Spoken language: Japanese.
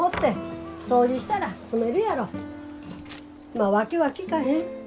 まあ訳は聞かへん。